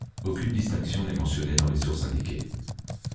Aucune distinction n'est mentionnée dans les sources indiquées.